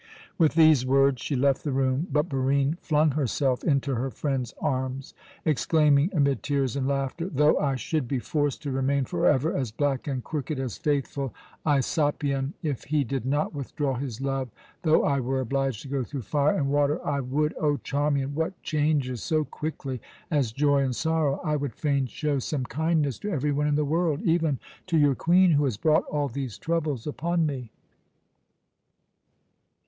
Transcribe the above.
With these words she left the room, but Barine flung herself into her friend's arms, exclaiming, amid tears and laughter: "Though I should be forced to remain forever as black and crooked as faithful Aisopion, if he did not withdraw his love, though I were obliged to go through fire and water I would O Charmian! what changes so quickly as joy and sorrow? I would fain show some kindness to every one in the world, even to your Queen, who has brought all these troubles upon me."